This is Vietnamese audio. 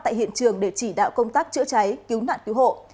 tại hiện trường để chỉ đạo công tác chữa cháy cứu nạn cứu hộ